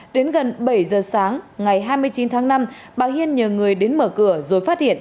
đến gần bảy giờ sáng ngày hai mươi chín tháng năm bà hiên nhờ người đến mở cửa rồi phát hiện